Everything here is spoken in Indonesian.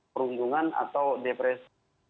perundungan atau depresi